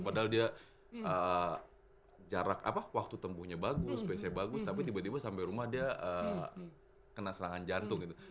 padahal dia jarak waktu tempuhnya bagus pc bagus tapi tiba tiba sampai rumah dia kena serangan jantung gitu